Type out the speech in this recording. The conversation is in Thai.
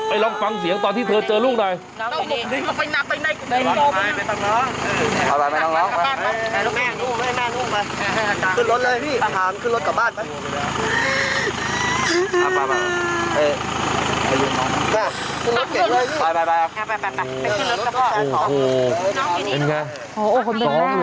ไปลองปังเสียงตอนที่เธอเจอลูกไหน